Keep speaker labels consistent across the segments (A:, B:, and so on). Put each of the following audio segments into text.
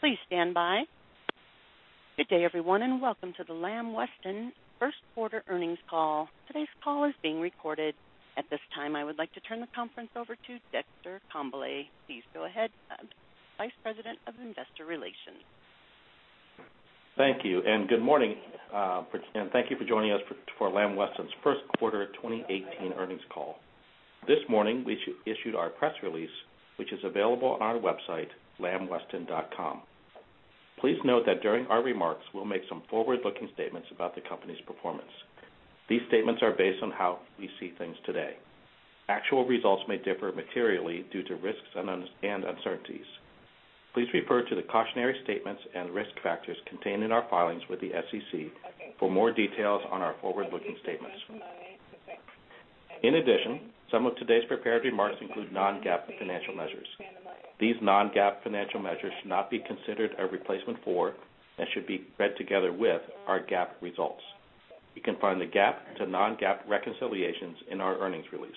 A: Please stand by. Good day, everyone, welcome to the Lamb Weston first quarter earnings call. Today's call is being recorded. At this time, I would like to turn the conference over to Dexter Congbalay. Please go ahead, Vice President of Investor Relations.
B: Thank you. Good morning. Thank you for joining us for Lamb Weston's first quarter 2018 earnings call. This morning, we issued our press release, which is available on our website, lambweston.com. Please note that during our remarks, we'll make some forward-looking statements about the company's performance. These statements are based on how we see things today. Actual results may differ materially due to risks and uncertainties. Please refer to the cautionary statements and risk factors contained in our filings with the SEC for more details on our forward-looking statements. In addition, some of today's prepared remarks include non-GAAP financial measures. These non-GAAP financial measures should not be considered a replacement for, and should be read together with, our GAAP results. You can find the GAAP to non-GAAP reconciliations in our earnings release.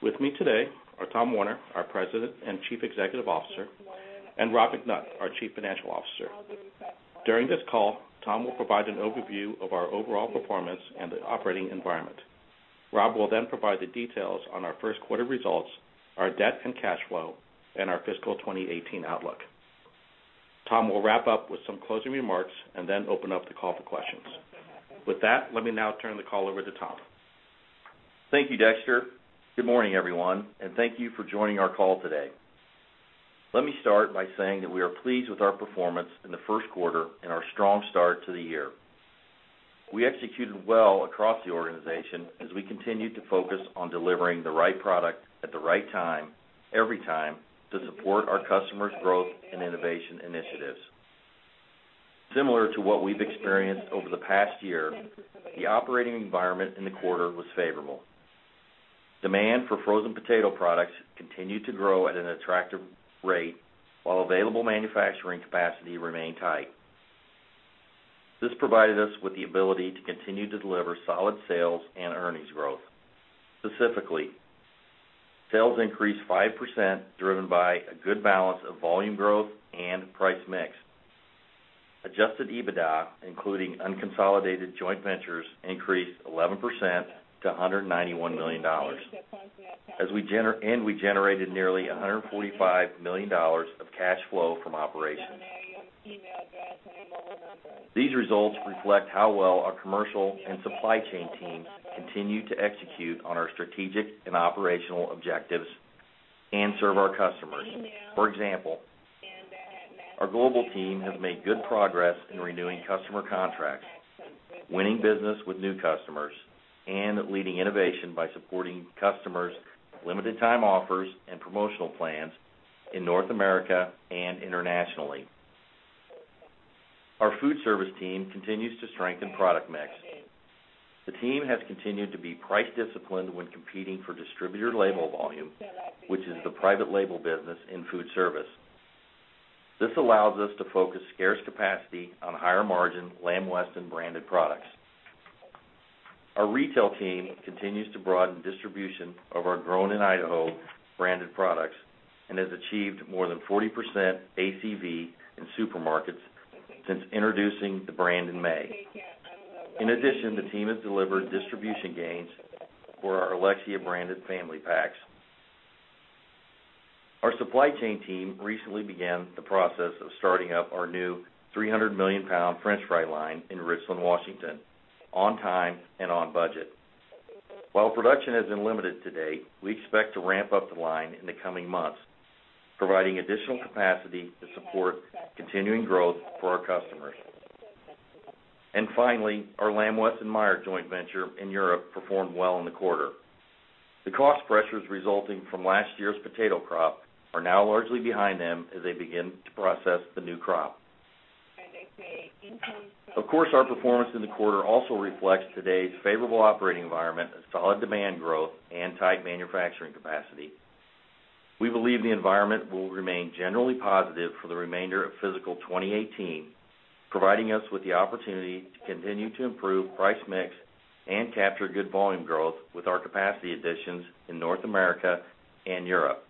B: With me today are Tom Werner, our President and Chief Executive Officer, and Robert McNutt, our Chief Financial Officer. During this call, Tom will provide an overview of our overall performance and the operating environment. Rob will provide the details on our first quarter results, our debt and cash flow, and our fiscal 2018 outlook. Tom will wrap up with some closing remarks, then open up the call for questions. With that, let me now turn the call over to Tom.
C: Thank you, Dexter. Good morning, everyone. Thank you for joining our call today. Let me start by saying that we are pleased with our performance in the first quarter and our strong start to the year. We executed well across the organization as we continued to focus on delivering the right product at the right time, every time, to support our customers' growth and innovation initiatives. Similar to what we've experienced over the past year, the operating environment in the quarter was favorable. Demand for frozen potato products continued to grow at an attractive rate while available manufacturing capacity remained tight. This provided us with the ability to continue to deliver solid sales and earnings growth. Specifically, sales increased 5%, driven by a good balance of volume growth and price mix. Adjusted EBITDA, including unconsolidated joint ventures, increased 11% to $191 million. We generated nearly $145 million of cash flow from operations. These results reflect how well our commercial and supply chain teams continue to execute on our strategic and operational objectives and serve our customers. For example, our global team has made good progress in renewing customer contracts, winning business with new customers, and leading innovation by supporting customers' limited time offers and promotional plans in North America and internationally. Our food service team continues to strengthen product mix. The team has continued to be price disciplined when competing for distributor label volume, which is the private label business in food service. This allows us to focus scarce capacity on higher margin Lamb Weston branded products. Our retail team continues to broaden distribution of our Grown in Idaho branded products and has achieved more than 40% ACV in supermarkets since introducing the brand in May. In addition, the team has delivered distribution gains for our Alexia branded family packs. Our supply chain team recently began the process of starting up our new 300 million pound french fry line in Richland, Washington, on time and on budget. While production has been limited to date, we expect to ramp up the line in the coming months, providing additional capacity to support continuing growth for our customers. Finally, our Lamb Weston Meijer joint venture in Europe performed well in the quarter. The cost pressures resulting from last year's potato crop are now largely behind them as they begin to process the new crop. Of course, our performance in the quarter also reflects today's favorable operating environment of solid demand growth and tight manufacturing capacity. We believe the environment will remain generally positive for the remainder of fiscal 2018, providing us with the opportunity to continue to improve price mix and capture good volume growth with our capacity additions in North America and Europe.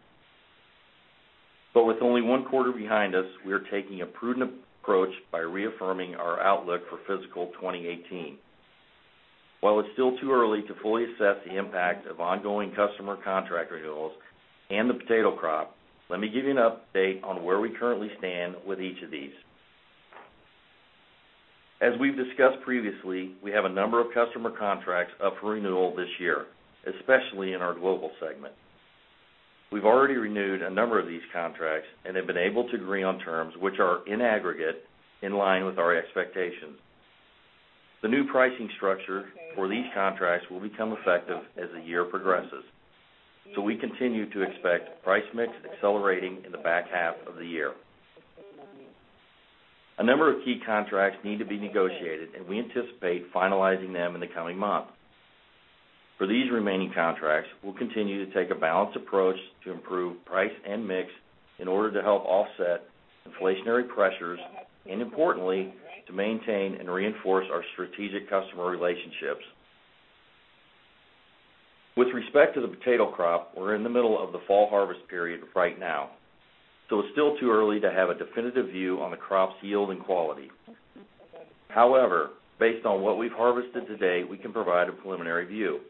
C: With only one quarter behind us, we are taking a prudent approach by reaffirming our outlook for fiscal 2018. While it's still too early to fully assess the impact of ongoing customer contract renewals and the potato crop, let me give you an update on where we currently stand with each of these. As we've discussed previously, we have a number of customer contracts up for renewal this year, especially in our global segment. We've already renewed a number of these contracts and have been able to agree on terms which are, in aggregate, in line with our expectations. The new pricing structure for these contracts will become effective as the year progresses. We continue to expect price mix accelerating in the back half of the year. A number of key contracts need to be negotiated, and we anticipate finalizing them in the coming months. For these remaining contracts, we'll continue to take a balanced approach to improve price and mix in order to help offset inflationary pressures, and importantly, to maintain and reinforce our strategic customer relationships. With respect to the potato crop, we're in the middle of the fall harvest period right now, so it's still too early to have a definitive view on the crop's yield and quality. However, based on what we've harvested to date, we can provide a preliminary view.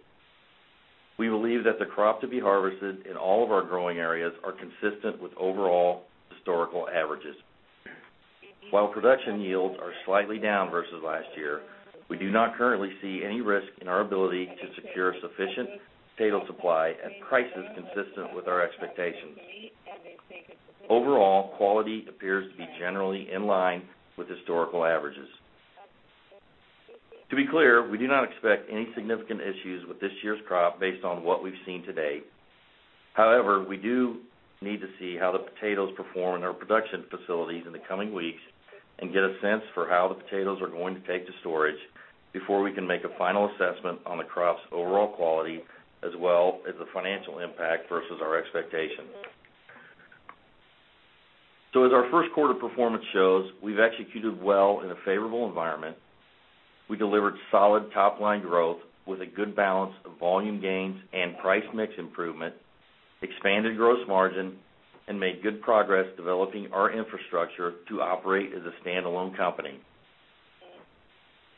C: We believe that the crop to be harvested in all of our growing areas are consistent with overall historical averages. While production yields are slightly down versus last year, we do not currently see any risk in our ability to secure sufficient potato supply at prices consistent with our expectations. Overall, quality appears to be generally in line with historical averages. To be clear, we do not expect any significant issues with this year's crop based on what we've seen to date. However, we do need to see how the potatoes perform in our production facilities in the coming weeks and get a sense for how the potatoes are going to take to storage before we can make a final assessment on the crop's overall quality, as well as the financial impact versus our expectations. As our first quarter performance shows, we've executed well in a favorable environment. We delivered solid top-line growth with a good balance of volume gains and price mix improvement, expanded gross margin, and made good progress developing our infrastructure to operate as a standalone company.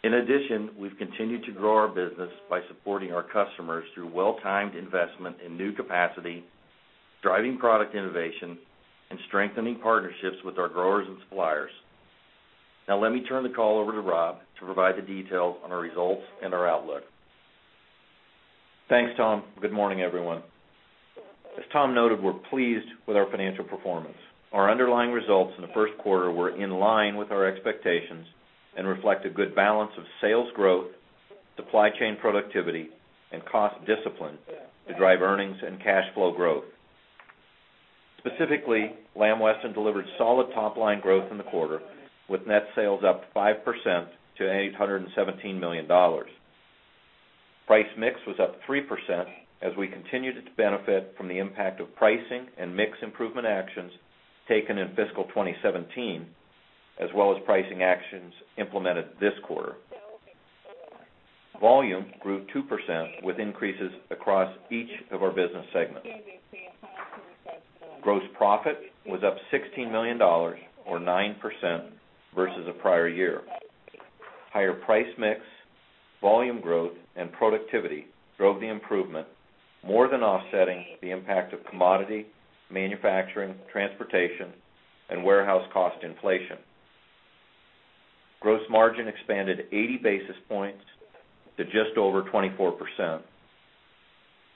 C: In addition, we've continued to grow our business by supporting our customers through well-timed investment in new capacity, driving product innovation, and strengthening partnerships with our growers and suppliers. Let me turn the call over to Rob to provide the details on our results and our outlook.
D: Thanks, Tom. Good morning, everyone. As Tom noted, we're pleased with our financial performance. Our underlying results in the first quarter were in line with our expectations and reflect a good balance of sales growth, supply chain productivity, and cost discipline to drive earnings and cash flow growth. Specifically, Lamb Weston delivered solid top-line growth in the quarter, with net sales up 5% to $817 million. Price mix was up 3% as we continued to benefit from the impact of pricing and mix improvement actions taken in fiscal 2017, as well as pricing actions implemented this quarter. Volume grew 2%, with increases across each of our business segments. Gross profit was up $16 million, or 9%, versus the prior year. Higher price mix, volume growth, and productivity drove the improvement, more than offsetting the impact of commodity, manufacturing, transportation, and warehouse cost inflation. Gross margin expanded 80 basis points to just over 24%.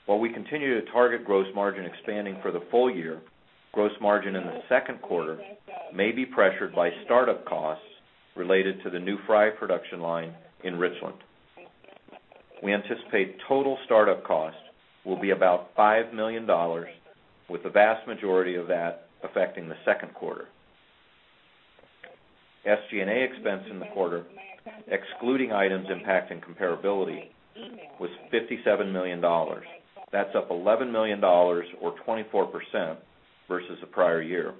D: While we continue to target gross margin expanding for the full year, gross margin in the second quarter may be pressured by startup costs related to the new fry production line in Richland. We anticipate total startup costs will be about $5 million, with the vast majority of that affecting the second quarter. SG&A expense in the quarter, excluding items impacting comparability, was $57 million. That's up $11 million, or 24%, versus the prior year.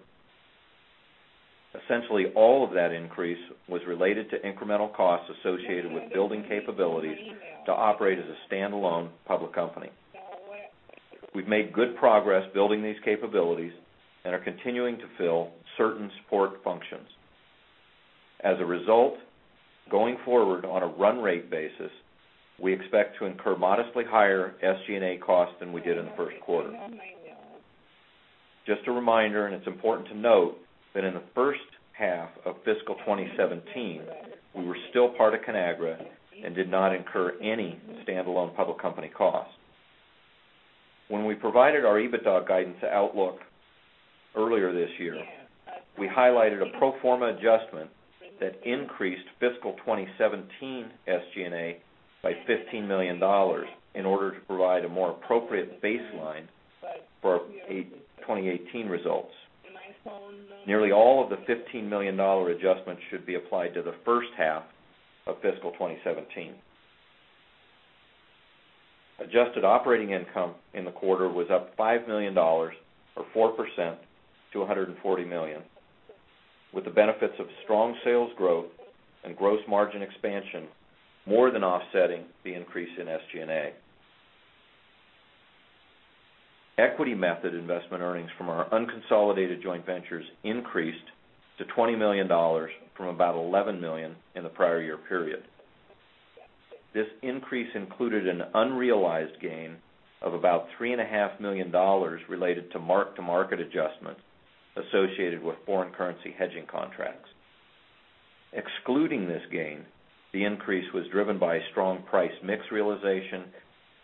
D: Essentially all of that increase was related to incremental costs associated with building capabilities to operate as a standalone public company. We've made good progress building these capabilities and are continuing to fill certain support functions. As a result, going forward on a run rate basis, we expect to incur modestly higher SG&A costs than we did in the first quarter. Just a reminder, it's important to note that in the first half of fiscal 2017, we were still part of Conagra and did not incur any standalone public company costs. When we provided our EBITDA guidance outlook earlier this year, we highlighted a pro forma adjustment that increased fiscal 2017 SG&A by $15 million in order to provide a more appropriate baseline for our 2018 results. Nearly all of the $15 million adjustment should be applied to the first half of fiscal 2017. Adjusted operating income in the quarter was up $5 million, or 4%, to $140 million, with the benefits of strong sales growth and gross margin expansion more than offsetting the increase in SG&A. Equity method investment earnings from our unconsolidated joint ventures increased to $20 million from about $11 million in the prior year period. This increase included an unrealized gain of about $3.5 million related to mark-to-market adjustments associated with foreign currency hedging contracts. Excluding this gain, the increase was driven by strong price mix realization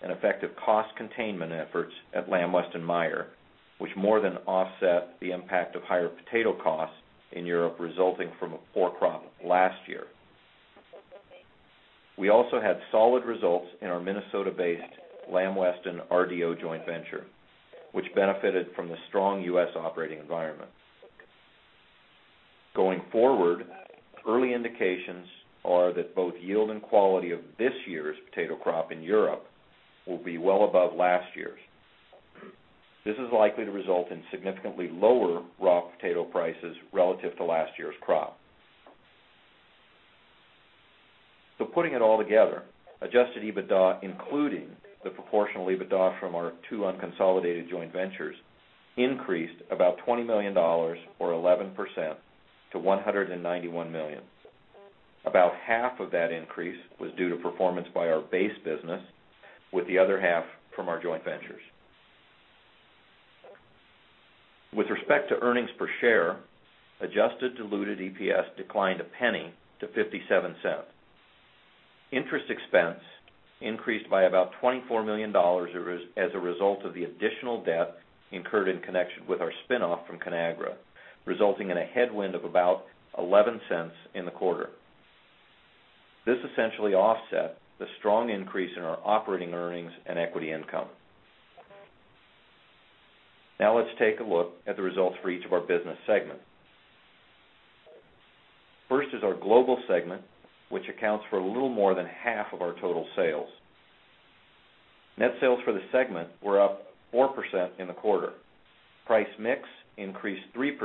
D: and effective cost containment efforts at Lamb Weston Meijer, which more than offset the impact of higher potato costs in Europe resulting from a poor crop last year. We also had solid results in our Minnesota-based Lamb Weston RDO joint venture, which benefited from the strong U.S. operating environment. Going forward, early indications are that both yield and quality of this year's potato crop in Europe will be well above last year's. This is likely to result in significantly lower raw potato prices relative to last year's crop. Putting it all together, adjusted EBITDA, including the proportional EBITDA from our two unconsolidated joint ventures, increased about $20 million or 11% to $191 million. About half of that increase was due to performance by our base business, with the other half from our joint ventures. With respect to earnings per share, adjusted diluted EPS declined a penny to $0.57. Interest expense increased by about $24 million as a result of the additional debt incurred in connection with our spinoff from Conagra, resulting in a headwind of about $0.11 in the quarter. This essentially offset the strong increase in our operating earnings and equity income. Let's take a look at the results for each of our business segments. First is our global segment, which accounts for a little more than half of our total sales. Net sales for the segment were up 4% in the quarter. Price mix increased 3%,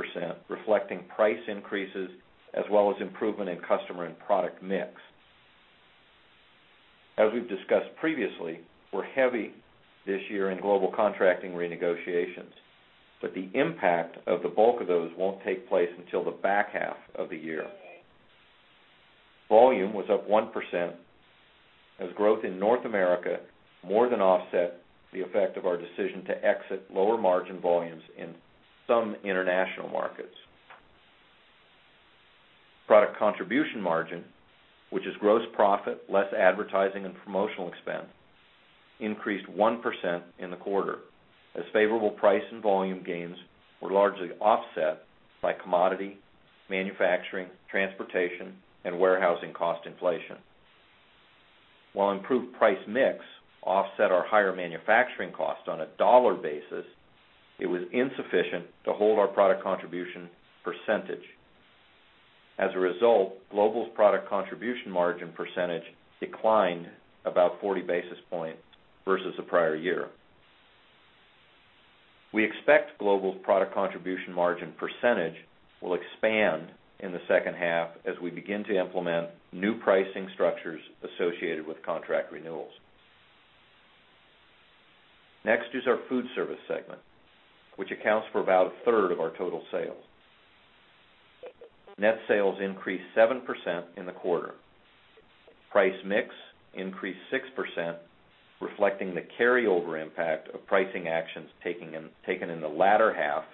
D: reflecting price increases, as well as improvement in customer and product mix. As we've discussed previously, we're heavy this year in global contracting renegotiations, the impact of the bulk of those won't take place until the back half of the year. Volume was up 1%, as growth in North America more than offset the effect of our decision to exit lower margin volumes in some international markets. Product contribution margin, which is gross profit less advertising and promotional expense, increased 1% in the quarter as favorable price and volume gains were largely offset by commodity, manufacturing, transportation, and warehousing cost inflation. While improved price mix offset our higher manufacturing costs on a dollar basis, it was insufficient to hold our product contribution percentage. As a result, global's product contribution margin percentage declined about 40 basis points versus the prior year. We expect global's product contribution margin percentage will expand in the second half as we begin to implement new pricing structures associated with contract renewals. Our food service segment, which accounts for about a third of our total sales. Net sales increased 7% in the quarter. Price mix increased 6%, reflecting the carryover impact of pricing actions taken in the latter half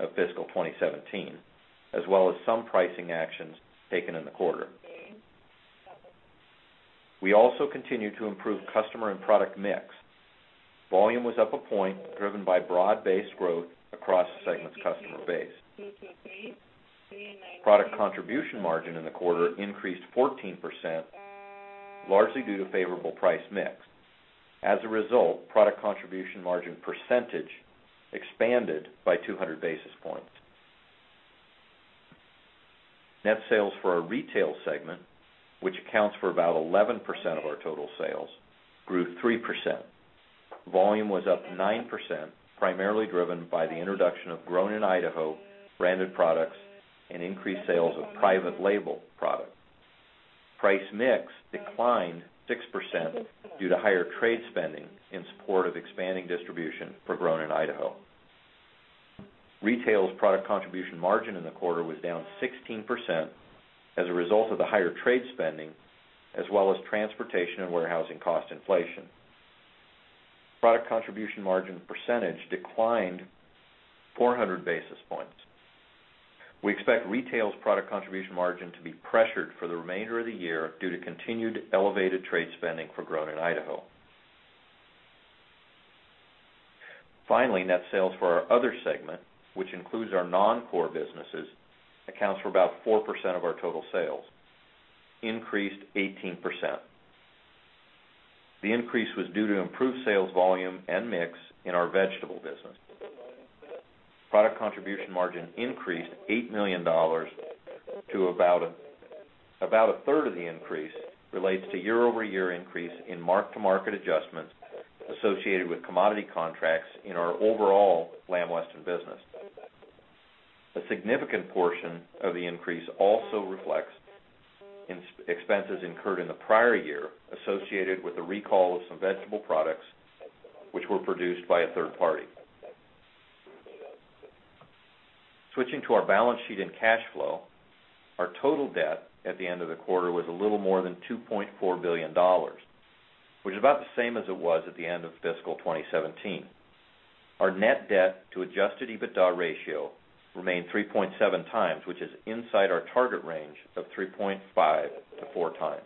D: of fiscal 2017, as well as some pricing actions taken in the quarter. We also continue to improve customer and product mix. Volume was up a point driven by broad-based growth across the segment's customer base. Product contribution margin in the quarter increased 14%, largely due to favorable price mix. As a result, product contribution margin percentage expanded by 200 basis points. Net sales for our retail segment, which accounts for about 11% of our total sales, grew 3%. Volume was up 9%, primarily driven by the introduction of Grown In Idaho branded products and increased sales of private label products. Price mix declined 6% due to higher trade spending in support of expanding distribution for Grown In Idaho. Retail's product contribution margin in the quarter was down 16% as a result of the higher trade spending, as well as transportation and warehousing cost inflation. Product contribution margin percentage declined 400 basis points. We expect retail's product contribution margin to be pressured for the remainder of the year due to continued elevated trade spending for Grown In Idaho. Net sales for our other segment, which includes our non-core businesses, accounts for about 4% of our total sales, increased 18%. The increase was due to improved sales volume and mix in our vegetable business. Product contribution margin increased $8 million to about a third of the increase relates to year-over-year increase in mark-to-market adjustments associated with commodity contracts in our overall Lamb Weston business. A significant portion of the increase also reflects expenses incurred in the prior year associated with the recall of some vegetable products, which were produced by a third party. Switching to our balance sheet and cash flow, our total debt at the end of the quarter was a little more than $2.4 billion, which is about the same as it was at the end of fiscal 2017. Our net debt to adjusted EBITDA ratio remained 3.7 times, which is inside our target range of 3.5 to 4 times.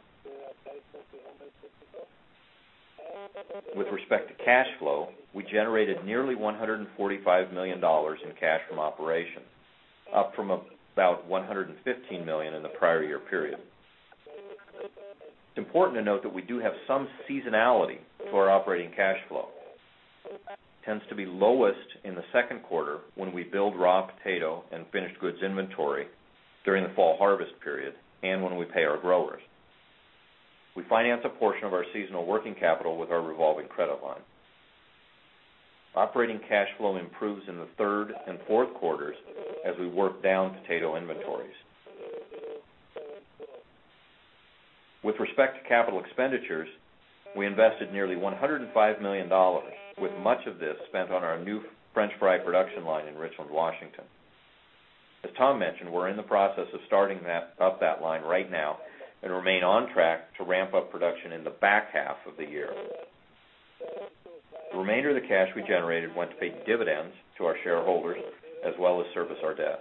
D: With respect to cash flow, we generated nearly $145 million in cash from operations, up from about $115 million in the prior year period. It tends to be lowest in the second quarter when we build raw potato and finished goods inventory during the fall harvest period, and when we pay our growers. We finance a portion of our seasonal working capital with our revolving credit line. Operating cash flow improves in the third and fourth quarters as we work down potato inventories. With respect to capital expenditures, we invested nearly $105 million, with much of this spent on our new French fry production line in Richland, Washington. As Tom Werner mentioned, we're in the process of starting up that line right now and remain on track to ramp up production in the back half of the year. The remainder of the cash we generated went to pay dividends to our shareholders, as well as service our debt.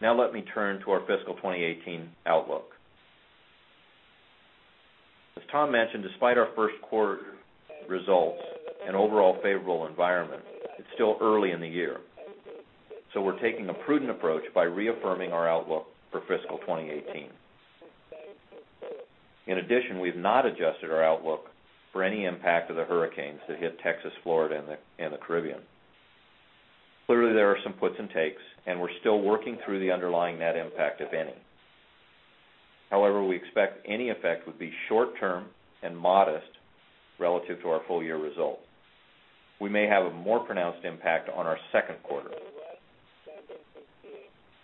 D: Let me turn to our fiscal 2018 outlook. As Tom mentioned, despite our first quarter results and overall favorable environment, it's still early in the year. We're taking a prudent approach by reaffirming our outlook for fiscal 2018. In addition, we've not adjusted our outlook for any impact of the hurricanes that hit Texas, Florida, and the Caribbean. Clearly, there are some puts and takes, and we're still working through the underlying net impact, if any. However, we expect any effect would be short-term and modest relative to our full-year result. We may have a more pronounced impact on our second quarter.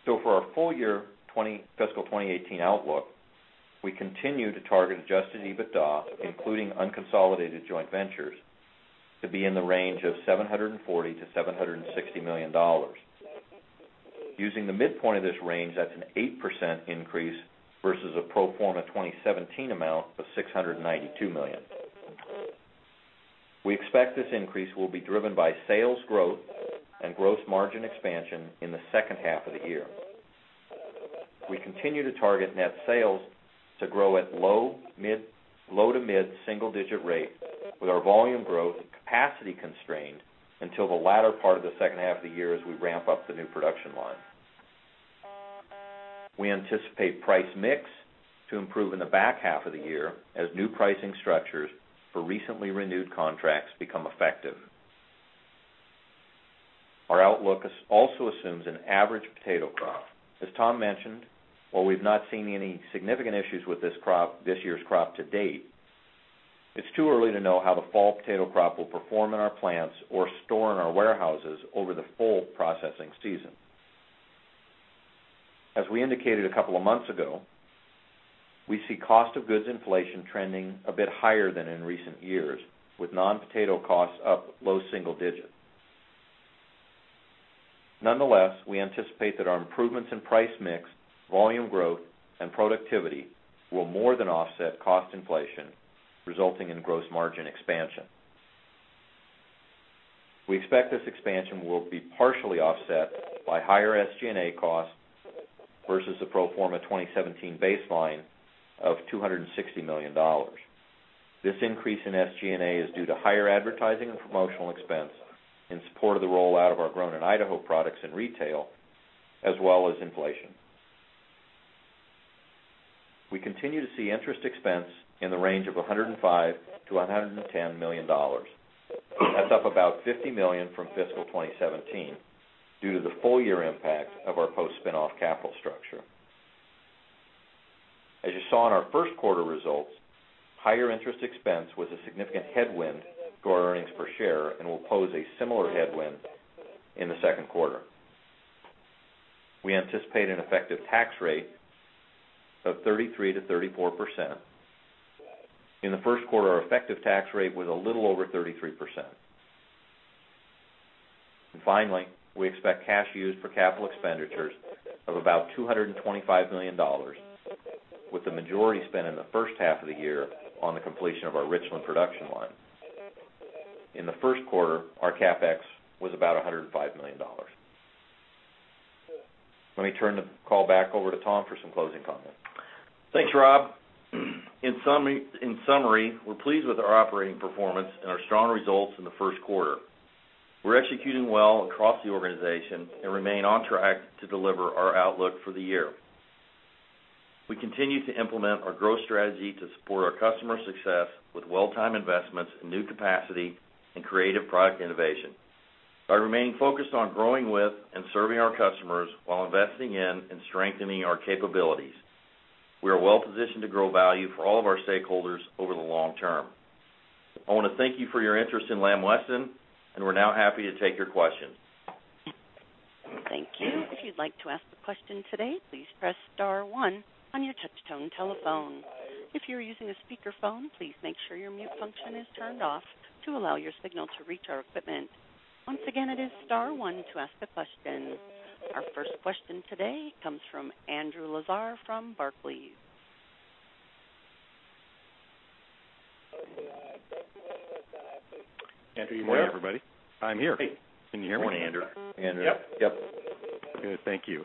D: For our full-year fiscal 2018 outlook, we continue to target adjusted EBITDA, including unconsolidated joint ventures, to be in the range of $740 million-$760 million. Using the midpoint of this range, that's an 8% increase versus a pro forma 2017 amount of $692 million. We expect this increase will be driven by sales growth and gross margin expansion in the second half of the year. We continue to target net sales to grow at low to mid-single-digit rate with our volume growth and capacity constrained until the latter part of the second half of the year as we ramp up the new production line. We anticipate price mix to improve in the back half of the year as new pricing structures for recently renewed contracts become effective. Our outlook also assumes an average potato crop. As Tom mentioned, while we've not seen any significant issues with this year's crop to date, it's too early to know how the fall potato crop will perform in our plants or store in our warehouses over the full processing season. As we indicated a couple of months ago, we see cost of goods inflation trending a bit higher than in recent years, with non-potato costs up low single digits. Nonetheless, we anticipate that our improvements in price mix, volume growth, and productivity will more than offset cost inflation, resulting in gross margin expansion. We expect this expansion will be partially offset by higher SG&A costs versus the pro forma 2017 baseline of $260 million. This increase in SG&A is due to higher advertising and promotional expense in support of the rollout of our Grown in Idaho products in retail, as well as inflation. We continue to see interest expense in the range of $105 million-$110 million. That's up about $50 million from fiscal 2017 due to the full-year impact of our post-spin-off capital structure. As you saw in our first quarter results, higher interest expense was a significant headwind to our earnings per share and will pose a similar headwind in the second quarter. We anticipate an effective tax rate of 33%-34%. Finally, we expect cash used for capital expenditures of about $225 million, with the majority spent in the first half of the year on the completion of our Richland production line. In the first quarter, our CapEx was about $105 million. Let me turn the call back over to Tom for some closing comments.
C: Thanks, Rob. In summary, we're pleased with our operating performance and our strong results in the first quarter. We're executing well across the organization and remain on track to deliver our outlook for the year. We continue to implement our growth strategy to support our customer success with well-timed investments in new capacity and creative product innovation. By remaining focused on growing with and serving our customers while investing in and strengthening our capabilities, we are well positioned to grow value for all of our stakeholders over the long term. I want to thank you for your interest in Lamb Weston, and we're now happy to take your questions.
A: Thank you. If you'd like to ask a question today, please press star one on your touch-tone telephone. If you're using a speakerphone, please make sure your mute function is turned off to allow your signal to reach our equipment. Once again, it is star one to ask a question. Our first question today comes from Andrew Lazar from Barclays.
C: Andrew, you there?
E: Good morning, everybody. I'm here. Can you hear me?
C: Hey. Good morning, Andrew.
D: Andrew?
C: Yep.
E: Good, thank you.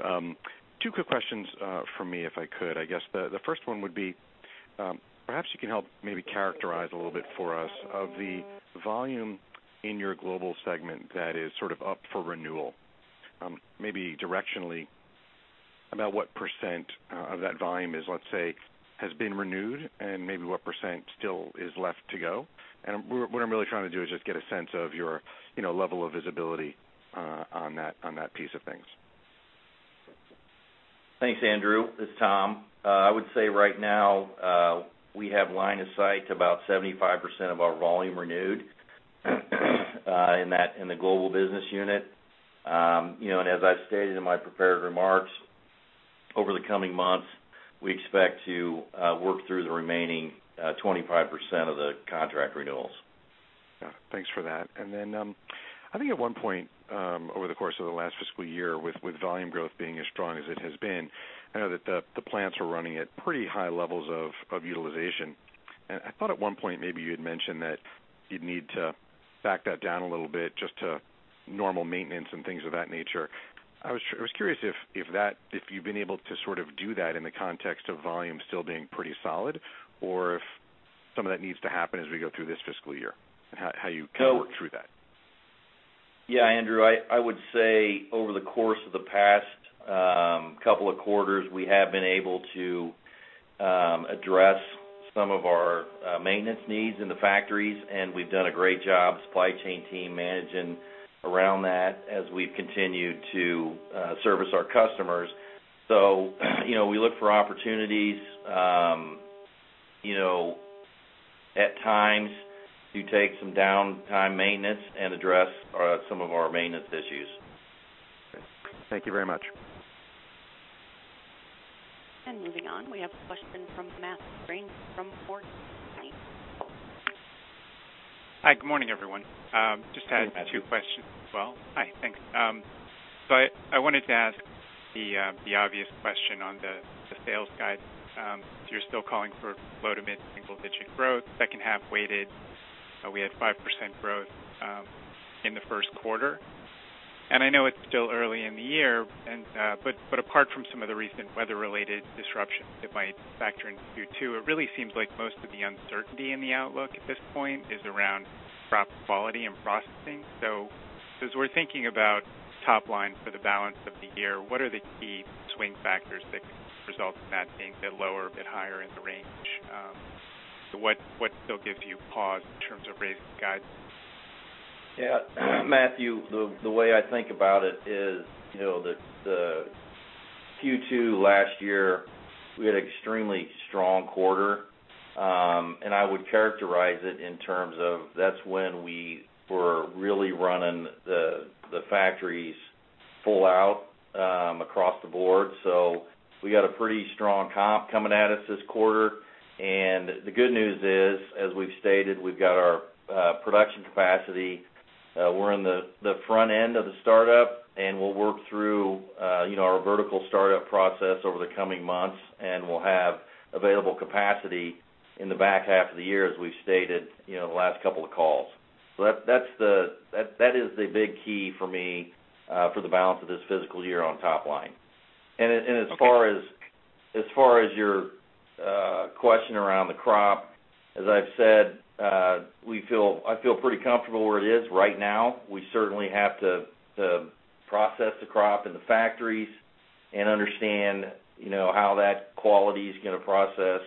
E: Two quick questions from me, if I could. I guess the first one would be, perhaps you can help maybe characterize a little bit for us of the volume in your global segment that is sort of up for renewal. Maybe directionally, about what % of that volume is, let's say, has been renewed, and maybe what % still is left to go? What I'm really trying to do is just get a sense of your level of visibility on that piece of things.
C: Thanks, Andrew. It's Tom. I would say right now, we have line of sight to about 75% of our volume renewed in the global business unit. As I've stated in my prepared remarks, over the coming months, we expect to work through the remaining 25% of the contract renewals.
E: Yeah. Thanks for that. Then, I think at one point, over the course of the last fiscal year with volume growth being as strong as it has been, I know that the plants were running at pretty high levels of utilization. I thought at one point maybe you had mentioned that you'd need to back that down a little bit just to normal maintenance and things of that nature. I was curious if you've been able to sort of do that in the context of volume still being pretty solid, or if some of that needs to happen as we go through this fiscal year, and how you kind of work through that.
C: Yeah, Andrew. I would say over the course of the past couple of quarters, we have been able to address some of our maintenance needs in the factories, and we've done a great job, supply chain team managing around that as we've continued to service our customers. We look for opportunities at times to take some downtime maintenance and address some of our maintenance issues.
E: Okay. Thank you very much.
A: Moving on, we have a question from Matthew Smith from Morgan Stanley.
F: Hi. Good morning, everyone.
C: Hey, Matthew.
F: Two questions as well. Hi, thanks. I wanted to ask the obvious question on the sales guide. You're still calling for low to mid single-digit growth, second half weighted. We had 5% growth in the first quarter. I know it's still early in the year, but apart from some of the recent weather-related disruptions that might factor into Q2, it really seems like most of the uncertainty in the outlook at this point is around crop quality and processing. As we're thinking about top line for the balance of the year, what are the key swing factors that could result in that being a bit lower, a bit higher in the range? What still gives you pause in terms of raising guidance?
C: Yeah, Matthew, the way I think about it is, the Q2 last year, we had extremely strong quarter. I would characterize it in terms of that's when we were really running the factories full out across the board. We got a pretty strong comp coming at us this quarter. The good news is, as we've stated, we've got our production capacity. We're in the front end of the startup, and we'll work through our vertical startup process over the coming months, and we'll have available capacity in the back half of the year, as we've stated in the last couple of calls. That is the big key for me for the balance of this physical year on top line.
F: Okay.
C: As far as your question around the crop, as I've said, I feel pretty comfortable where it is right now. We certainly have to process the crop in the factories and understand how that quality is going to process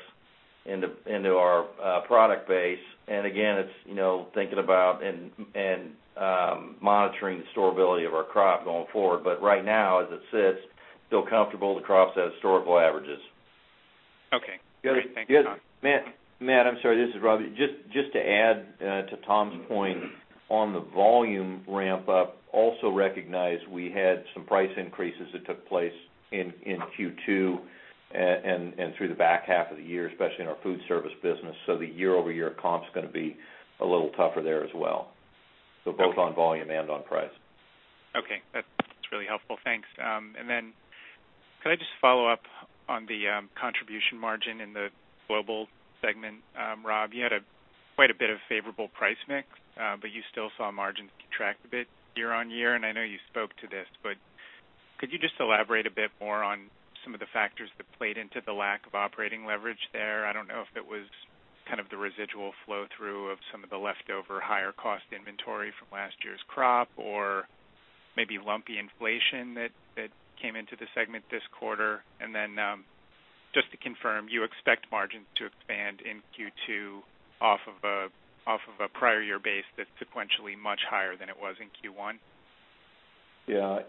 C: into our product base. Again, it's thinking about and monitoring the storability of our crop going forward. Right now, as it sits, feel comfortable the crops at historical averages.
F: Okay. Great. Thank you, Tom.
C: Yeah.
D: Matt, I'm sorry. This is Rob. Just to add to Tom's point on the volume ramp up, also recognize we had some price increases that took place in Q2, and through the back half of the year, especially in our food service business. The year-over-year comp's going to be a little tougher there as well.
F: Okay.
D: Both on volume and on price.
F: Okay. That's really helpful. Thanks. Could I just follow up on the contribution margin in the global segment? Rob, you had quite a bit of favorable price mix. You still saw margin contract a bit year-on-year, and I know you spoke to this, but could you just elaborate a bit more on some of the factors that played into the lack of operating leverage there? I don't know if it was kind of the residual flow-through of some of the leftover higher cost inventory from last year's crop, or maybe lumpy inflation that came into the segment this quarter. Just to confirm, you expect margin to expand in Q2 off of a prior year base that's sequentially much higher than it was in Q1?
D: Yeah.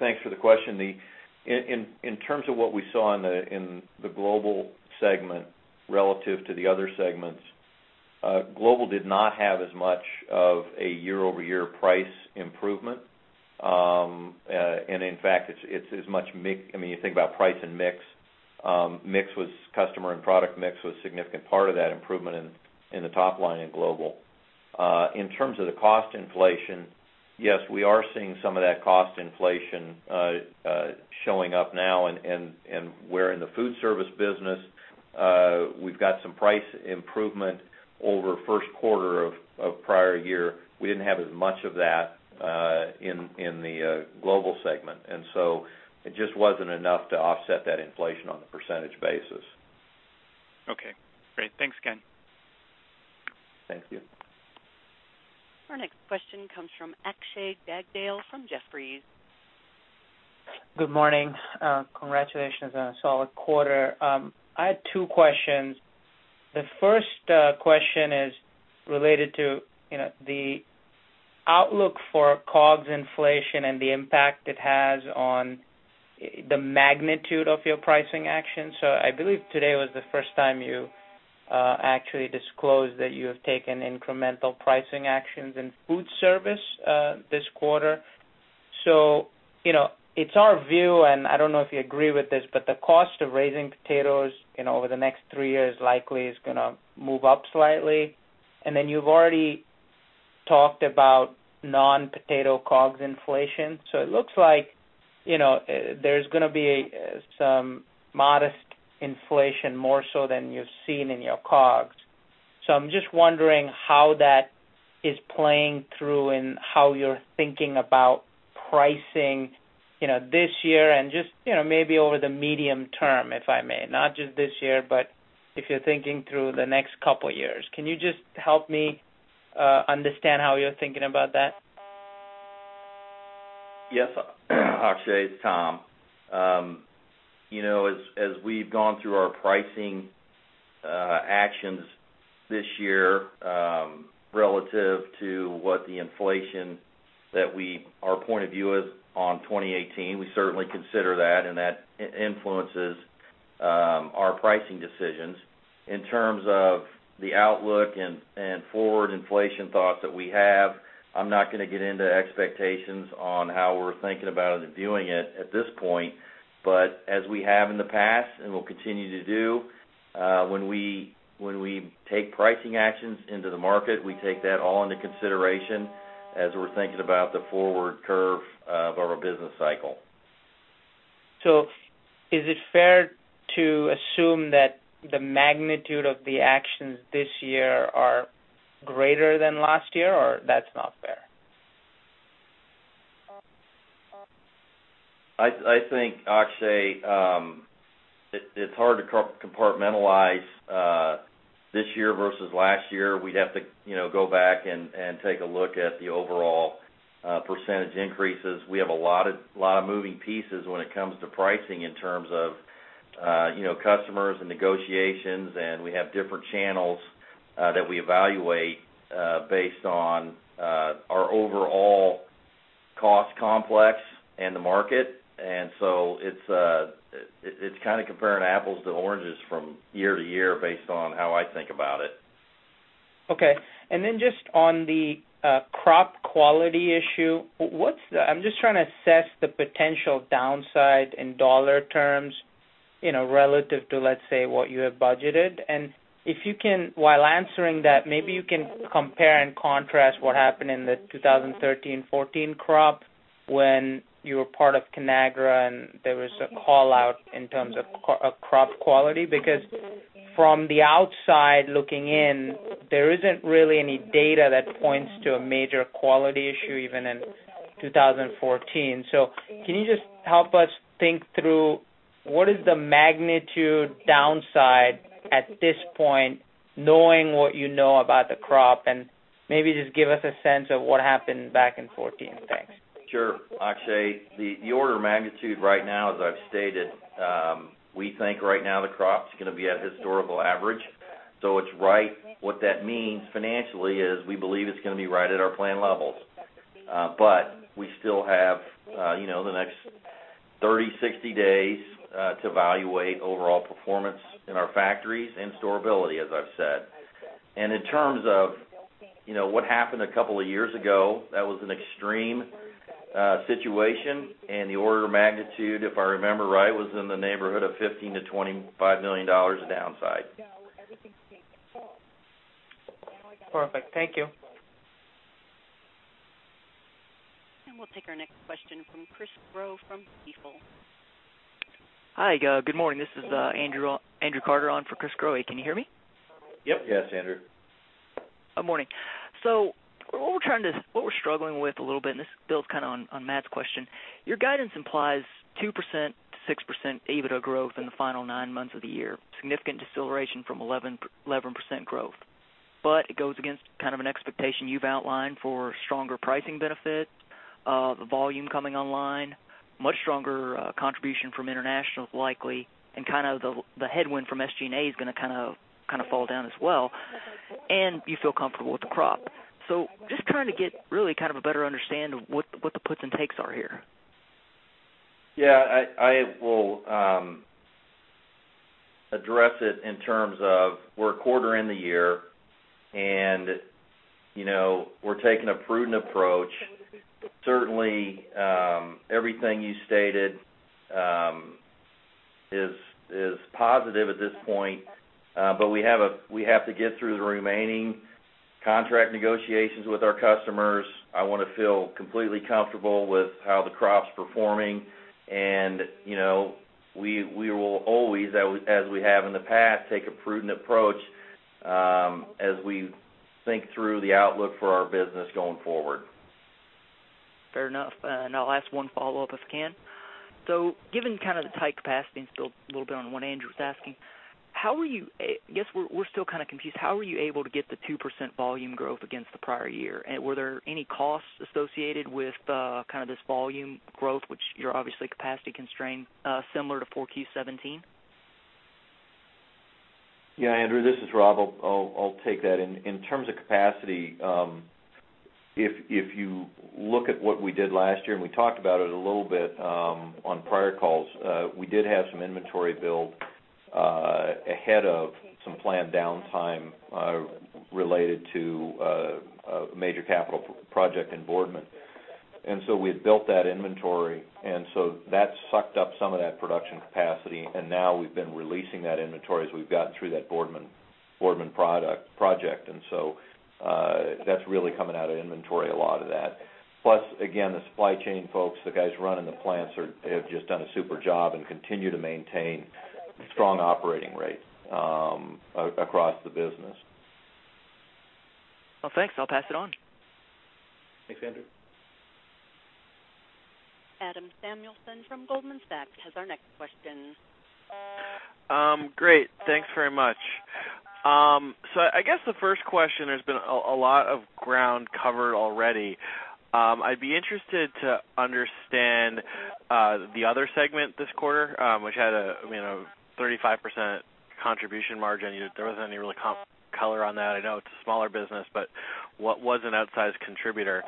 D: Thanks for the question. In terms of what we saw in the Global segment relative to the other segments, Global did not have as much of a year-over-year price improvement. In fact, it's as much mix. You think about price and mix. Customer and product mix was significant part of that improvement in the top line in Global. In terms of the cost inflation, yes, we are seeing some of that cost inflation showing up now, and where in the food service business, we've got some price improvement over first quarter of prior year. We didn't have as much of that in the Global segment. It just wasn't enough to offset that inflation on a percentage basis.
F: Okay, great. Thanks again.
D: Thank you.
A: Our next question comes from Akshay Jagdale from Jefferies.
G: Good morning. Congratulations on a solid quarter. I had two questions. The first question is related to the outlook for COGS inflation and the impact it has on the magnitude of your pricing actions. I believe today was the first time you actually disclosed that you have taken incremental pricing actions in food service this quarter. It's our view, and I don't know if you agree with this, but the cost of raising potatoes over the next three years likely is going to move up slightly. Then you've already talked about non-potato COGS inflation. It looks like there's going to be some modest inflation, more so than you've seen in your COGS. I'm just wondering how that is playing through and how you're thinking about pricing this year and just maybe over the medium term, if I may. Not just this year, but if you're thinking through the next couple of years. Can you just help me understand how you're thinking about that?
C: Yes, Akshay, it's Tom. As we've gone through our pricing actions this year relative to what the inflation that our point of view is on 2018, we certainly consider that, and that influences our pricing decisions. In terms of the outlook and forward inflation thoughts that we have, I'm not going to get into expectations on how we're thinking about it and viewing it at this point. As we have in the past and will continue to do, when we take pricing actions into the market, we take that all into consideration as we're thinking about the forward curve of our business cycle.
G: Is it fair to assume that the magnitude of the actions this year are greater than last year, or that's not fair?
C: I think, Akshay, it's hard to compartmentalize this year versus last year. We'd have to go back and take a look at the overall % increases. We have a lot of moving pieces when it comes to pricing in terms of customers and negotiations, we have different channels that we evaluate based on our overall cost complex and the market. So it's comparing apples to oranges from year to year based on how I think about it.
G: Okay. Just on the crop quality issue, I'm just trying to assess the potential downside in dollar terms relative to, let's say, what you have budgeted. While answering that, maybe you can compare and contrast what happened in the 2013/14 crop when you were part of Conagra and there was a call-out in terms of crop quality. Because from the outside looking in, there isn't really any data that points to a major quality issue even in 2014. Can you just help us think through what is the magnitude downside at this point, knowing what you know about the crop, and maybe just give us a sense of what happened back in 2014? Thanks.
C: Sure, Akshay. The order of magnitude right now, as I've stated, we think right now the crop's going to be at historical average. What that means financially is we believe it's going to be right at our plan levels. We still have the next 30, 60 days to evaluate overall performance in our factories and storability, as I've said. In terms of what happened a couple of years ago, that was an extreme situation. The order of magnitude, if I remember right, was in the neighborhood of $15 million-$25 million of downside.
G: Perfect. Thank you.
A: We'll take our next question from Chris Growe from B. Riley.
H: Hi. Good morning. This is Andrew Carter on for Chris Growe. Can you hear me?
C: Yep. Yes, Andrew.
H: Good morning. What we're struggling with a little bit, and this builds on Matt's question, your guidance implies 2%-6% EBITDA growth in the final nine months of the year, significant deceleration from 11% growth. It goes against an expectation you've outlined for stronger pricing benefit, the volume coming online, much stronger contribution from international likely, and the headwind from SG&A is going to fall down as well, and you feel comfortable with the crop. Just trying to get really a better understanding of what the puts and takes are here.
C: I will address it in terms of we're a quarter in the year, we're taking a prudent approach. Certainly, everything you stated is positive at this point, we have to get through the remaining contract negotiations with our customers. I want to feel completely comfortable with how the crop's performing. We will always, as we have in the past, take a prudent approach as we think through the outlook for our business going forward.
H: Fair enough. I'll ask one follow-up if I can. Given the tight capacity, still a little bit on what Andrew's asking, I guess we're still confused. How were you able to get the 2% volume growth against the prior year? Were there any costs associated with this volume growth, which you're obviously capacity constrained, similar to 4Q 2017?
D: Andrew, this is Rob. I'll take that. In terms of capacity, if you look at what we did last year, and we talked about it a little bit on prior calls, we did have some inventory build ahead of some planned downtime related to a major capital project in Boardman. We had built that inventory, that sucked up some of that production capacity. Now we've been releasing that inventory as we've gotten through that Boardman project. That's really coming out of inventory, a lot of that. Plus, again, the supply chain folks, the guys running the plants have just done a super job and continue to maintain strong operating rates across the business.
H: Well, thanks. I'll pass it on.
D: Thanks, Andrew.
A: Adam Samuelson from Goldman Sachs has our next question.
I: Great. Thanks very much. I guess the first question, there's been a lot of ground covered already. I'd be interested to understand the other segment this quarter, which had a 35% contribution margin. There wasn't any really color on that. I know it's a smaller business, but what was an outsized contributor?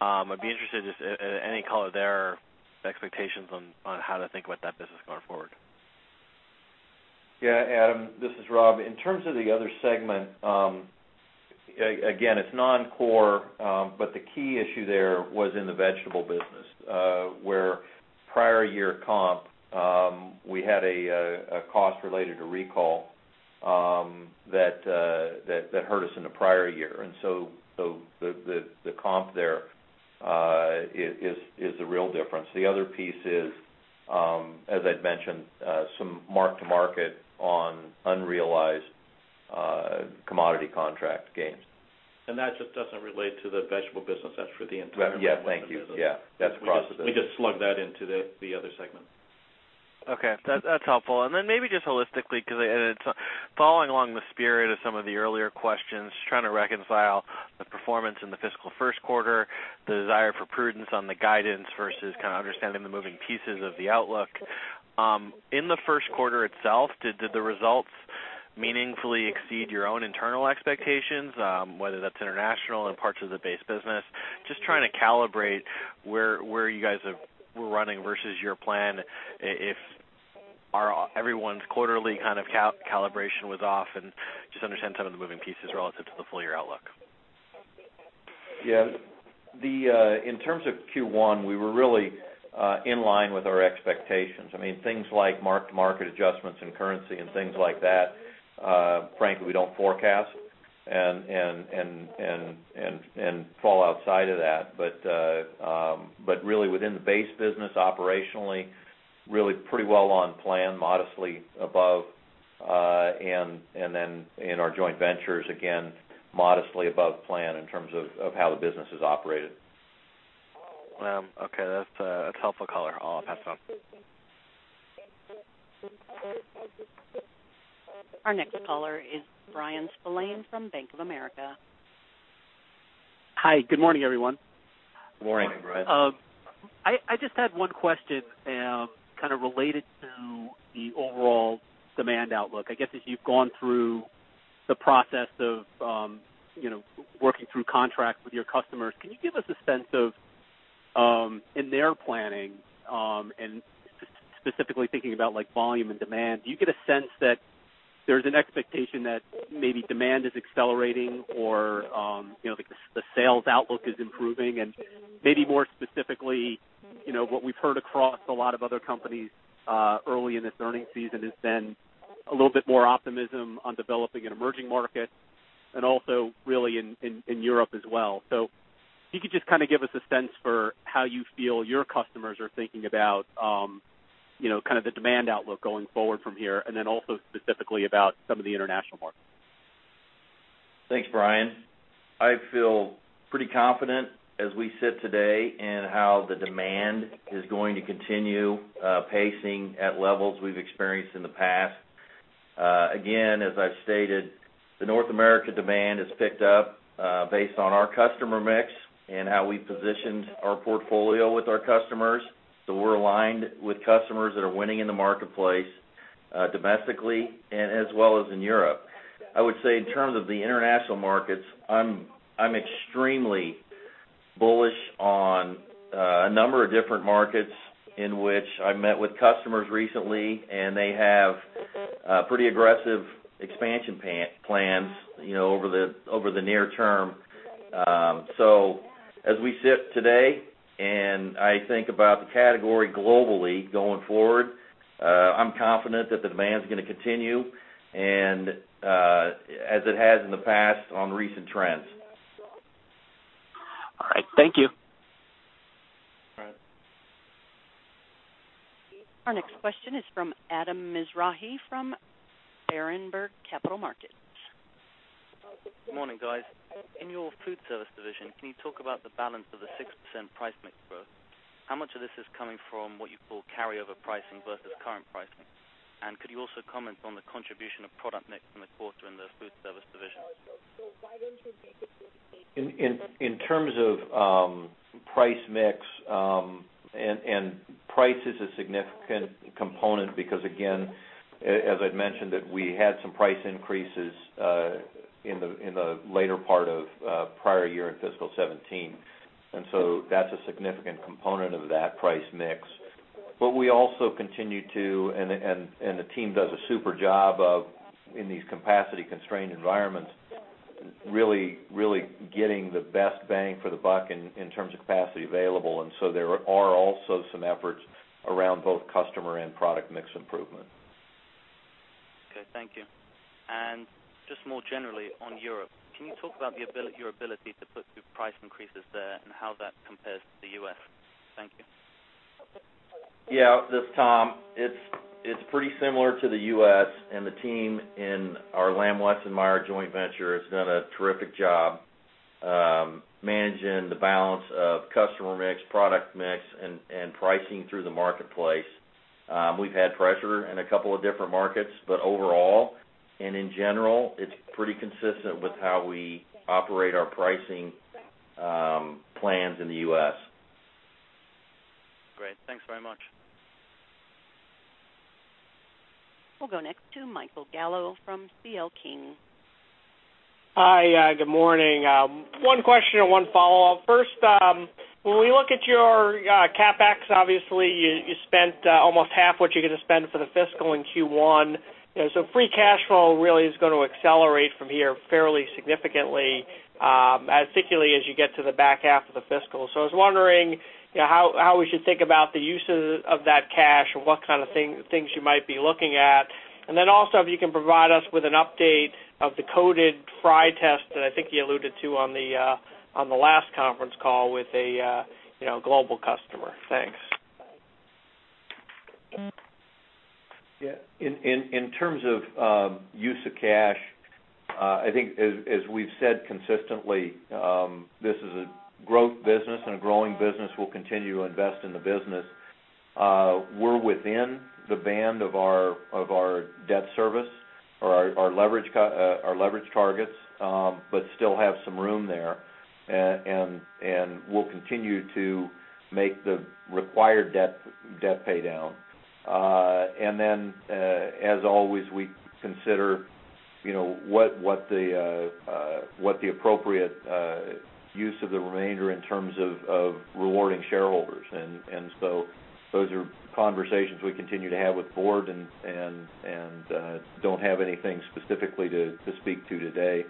I: I'd be interested just any color there, expectations on how to think about that business going forward?
D: Yeah, Adam, this is Rob. In terms of the other segment, again, it's non-core, but the key issue there was in the vegetable business, where prior year comp, we had a cost related to recall that hurt us in the prior year. The comp there is the real difference. The other piece is, as I'd mentioned, some mark-to-market on unrealized commodity contract gains.
B: That just doesn't relate to the vegetable business. That's for the entire.
D: Yeah. Thank you.
B: business.
D: Yeah. That's across the.
B: We just slug that into the other segment.
I: Okay. That's helpful. Maybe just holistically, because following along the spirit of some of the earlier questions, trying to reconcile the performance in the fiscal first quarter, the desire for prudence on the guidance versus kind of understanding the moving pieces of the outlook. In the first quarter itself, did the results meaningfully exceed your own internal expectations? Whether that's international and parts of the base business. Just trying to calibrate where you guys were running versus your plan, if everyone's quarterly kind of calibration was off and just understand some of the moving pieces relative to the full year outlook.
D: Yeah. In terms of Q1, we were really in line with our expectations. I mean, things like mark-to-market adjustments and currency and things like that, frankly, we don't forecast and fall outside of that. Really within the base business operationally, really pretty well on plan, modestly above. In our joint ventures, again, modestly above plan in terms of how the business is operated.
I: Okay. That's a helpful color. I'll pass it on.
A: Our next caller is Bryan Spillane from Bank of America.
J: Hi, good morning, everyone.
D: Morning, Bryan.
J: I just had one question, kind of related to the overall demand outlook. I guess as you've gone through the process of working through contracts with your customers, can you give us a sense of, in their planning, and specifically thinking about volume and demand, do you get a sense that there's an expectation that maybe demand is accelerating or the sales outlook is improving? Maybe more specifically, what we've heard across a lot of other companies early in this earnings season has been a little bit more optimism on developing and emerging markets and also really in Europe as well. If you could just give us a sense for how you feel your customers are thinking about the demand outlook going forward from here, and then also specifically about some of the international markets.
C: Thanks, Bryan. I feel pretty confident as we sit today in how the demand is going to continue pacing at levels we've experienced in the past. Again, as I've stated, the North America demand has picked up based on our customer mix and how we positioned our portfolio with our customers. We're aligned with customers that are winning in the marketplace, domestically and as well as in Europe. I would say in terms of the international markets, I'm extremely bullish on a number of different markets in which I've met with customers recently, and they have pretty aggressive expansion plans over the near term. As we sit today and I think about the category globally going forward, I'm confident that the demand's going to continue and as it has in the past on recent trends.
J: All right. Thank you.
D: All right.
A: Our next question is from Adam Mizrahi from Berenberg Capital Markets.
K: Good morning, guys. In your food service division, can you talk about the balance of the 6% price mix growth? How much of this is coming from what you call carryover pricing versus current pricing? Could you also comment on the contribution of product mix in the quarter in the food service division?
B: Sure
D: In terms of price mix, price is a significant component because again, as I'd mentioned that we had some price increases in the later part of prior year in fiscal 2017. That's a significant component of that price mix. We also continue to, and the team does a super job of, in these capacity-constrained environments, really getting the best bang for the buck in terms of capacity available. There are also some efforts around both customer and product mix improvement.
K: Okay. Thank you. Just more generally on Europe, can you talk about your ability to put through price increases there and how that compares to the U.S.? Thank you.
C: Yeah. This is Tom. It's pretty similar to the U.S. and the team in our Lamb Weston Meijer joint venture has done a terrific job managing the balance of customer mix, product mix, and pricing through the marketplace. We've had pressure in a couple of different markets, overall, and in general, it's pretty consistent with how we operate our pricing plans in the U.S.
K: Great. Thanks very much.
A: We'll go next to Michael Gallo from C.L. King.
L: Hi. Good morning. One question and one follow-up. First, when we look at your CapEx, obviously, you spent almost half what you're going to spend for the fiscal in Q1. Free cash flow really is going to accelerate from here fairly significantly, particularly as you get to the back half of the fiscal. I was wondering how we should think about the uses of that cash and what kind of things you might be looking at. Also if you can provide us with an update of the coated fry test that I think you alluded to on the last conference call with a global customer. Thanks.
D: Yeah. In terms of use of cash, I think as we've said consistently, this is a growth business, and a growing business. We'll continue to invest in the business. We're within the band of our debt service or our leverage targets, but still have some room there. We'll continue to make the required debt pay down. Then, as always, we consider what the appropriate use of the remainder in terms of rewarding shareholders. Those are conversations we continue to have with the board and don't have anything specifically to speak to today.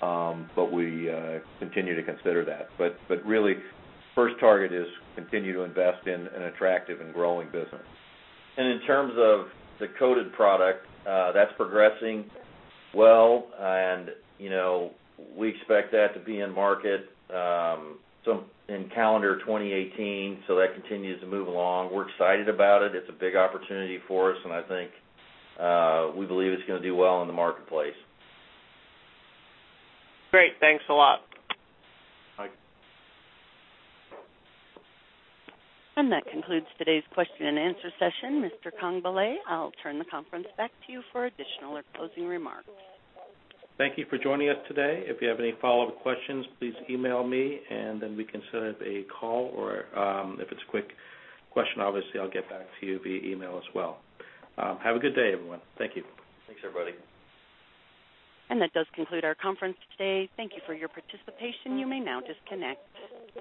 D: We continue to consider that. Really, first target is continue to invest in an attractive and growing business. In terms of the coated product, that's progressing well. We expect that to be in market in calendar 2018. That continues to move along. We're excited about it.
C: It's a big opportunity for us, and I think we believe it's going to do well in the marketplace.
L: Great. Thanks a lot.
D: Bye.
A: That concludes today's question and answer session. Mr. Dexter Congbalay, I'll turn the conference back to you for additional or closing remarks.
B: Thank you for joining us today. If you have any follow-up questions, please email me, and then we can set up a call, or if it's a quick question, obviously, I'll get back to you via email as well. Have a good day, everyone. Thank you.
D: Thanks, everybody.
A: That does conclude our conference today. Thank you for your participation. You may now disconnect.